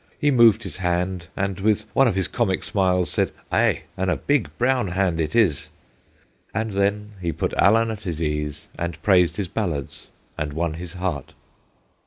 He moved his hand and, with one of his comic smiles, said :" Ay and a big brown hand it is." ; And then he put Allan at his ease and praised his ballads and won his heart.